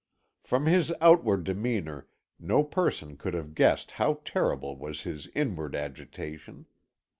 From his outward demeanour no person could have guessed how terrible was his inward agitation.